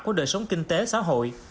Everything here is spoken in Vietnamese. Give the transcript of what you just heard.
và mọi mặt của đời sống kinh tế xã hội